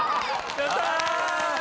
やった！